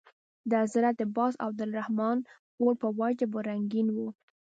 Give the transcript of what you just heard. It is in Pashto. د حضرت باز او عبدالرحمن اور په وجه به رنګین وو.